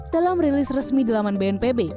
dalam rilis resmi di laman bnpb